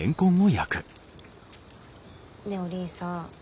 ねえおりんさん